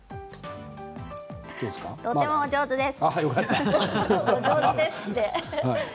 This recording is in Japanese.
とてもお上手です。